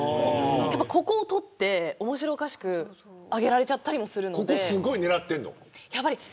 ここを撮って面白おかしく上げられたりするので。